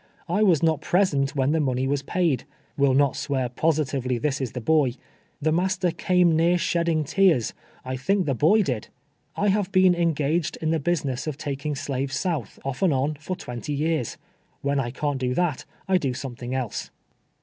I was not present when the money was paid. Will not swear positively this is the boy. Tlie master came near shedding tears : I thinh the hoy did! I have been engaged in the business of takinc: slaves south, off and on, for twenty years. When I can't do that I do something else."